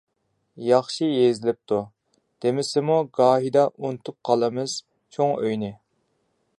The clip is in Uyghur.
ياخشى يېزىلىپتۇ. دېمىسىمۇ گاھىدا ئۇنتۇپ قالىمىز چوڭ ئۆينى.